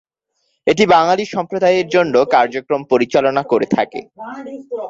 এটি বাঙ্গালী সম্প্রদায়ের জন্য কার্যক্রম পরিচালনা করে থাকে।